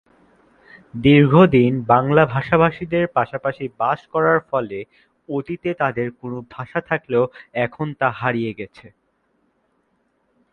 দীর্ঘদিন বাংলা ভাষাভাষীদের পাশাপাশি বাস করার ফলে, অতীতে তাদের কোন ভাষা থাকলেও এখন তা হারিয়ে গেছে।